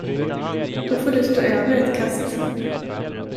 Då får du stå över ett kast.